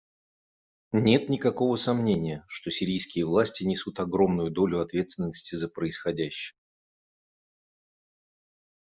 Нет никакого сомнения, что сирийские власти несут огромную долю ответственности за происходящее.